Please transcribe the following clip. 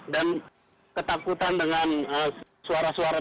dan ketakutan dengan suara suara